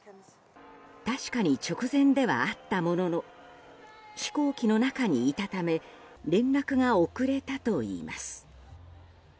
確かに直前ではあったものの飛行機の中にいたため連絡が遅れたといいます。